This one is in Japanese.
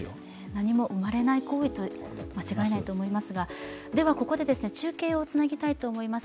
何も生まれない行為で間違いないと思いますがでは、ここで中継をつなげたいと思います。